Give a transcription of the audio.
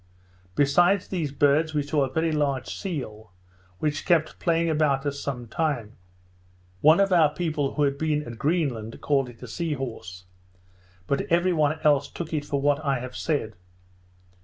Besides these birds, we saw a very large seal, which kept playing about us some time. One of our people who had been at Greenland, called it a sea horse; but every one else took it for what I have said.